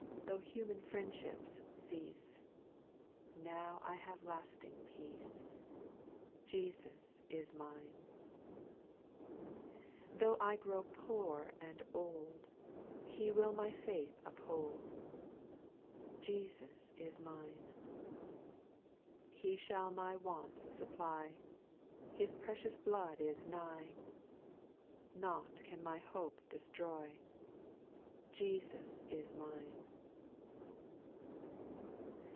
Though human friendships cease, Now I have lasting peace ; Jesus is mine. 2. Though I grow poor and old^ He will my failYi \ii^\\o\^^ — 10 182 SPIRITUAL SON 08. He shall my wants supply, His precious blood is nigh, Nought can my hope destroy,— Jesus is mine.